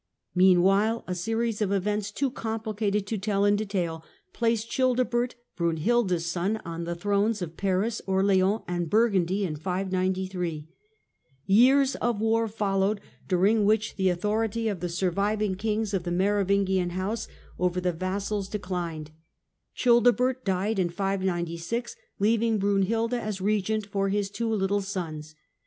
Meanwhile a series of events too complicated to tell in detail, placed Childebert, Brunhilda's son, on the thrones of Paris, Orleans and Burgundy in 593. /Years oi war followed, during which the authority of the sur viving kings of the Merovingian house over the vassals 52 THE DAWN OF MEDIAEVAL EUROPE declined. Childebert died in 596, leaving Brunhilda as regent for his two little sons.